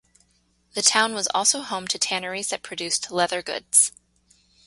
The town was also home to tanneries that produced leather goods.